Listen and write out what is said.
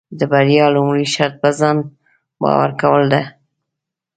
د بریا لومړی شرط پۀ ځان باور کول دي.